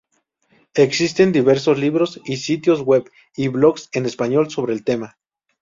Existen diversos libros y sitios web y blogs es español sobre el tema.